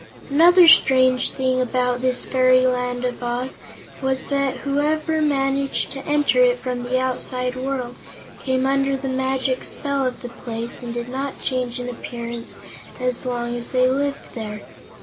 Another strange thing about this fairy Land of Oz was that whoever managed to enter it from the outside world came under the magic spell of the place and did not change in appearance as long as they lived there.